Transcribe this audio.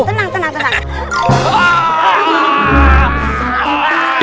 iya tenang tenang tenang